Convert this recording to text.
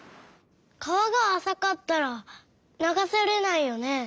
川があさかったら流されないよね？